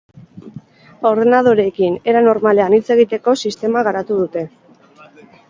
Ordenadoreekin era normalean hitz egiteko sistema garatu dute.